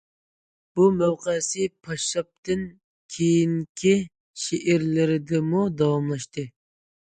بۇ مەۋقەسى« پاششاپ» تىن كېيىنكى شېئىرلىرىدىمۇ داۋاملاشتى.